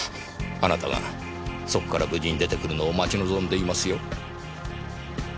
あなたがそこから無事に出てくるのを待ち望んでいますよ。